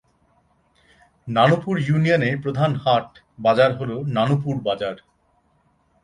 নানুপুর ইউনিয়নের প্রধান হাট/বাজার হল নানুপুর বাজার।